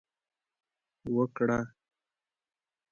وکړه